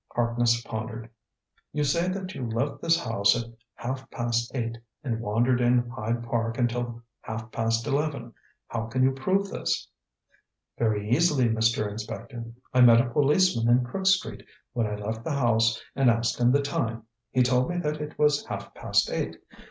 Harkness pondered. "You say that you left this house at half past eight, and wandered in Hyde Park until half past eleven. How can you prove this?" "Very easily, Mr. Inspector. I met a policeman in Crook Street when I left the house and asked him the time. He told me that it was half past eight.